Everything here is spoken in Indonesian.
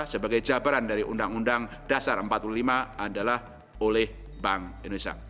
sebagai jabaran dari undang undang dasar empat puluh lima adalah oleh bank indonesia